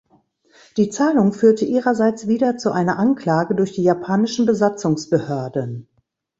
Die Zahlung führte ihrerseits wieder zu einer Anklage durch die japanischen Besatzungsbehörden.